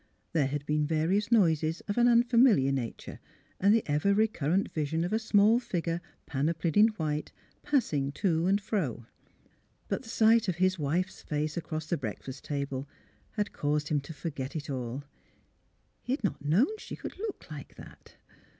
There had been various noises of an unfamiliar nature and the ever recurrent vision of a small figure, panoplied in white, pass ing to and fro. But the sight of his wife^s face across the breakfast table had caused him to for get it all. He had not known she could look like that.